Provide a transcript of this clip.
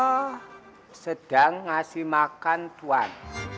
oh sedang ngasih makan tuhan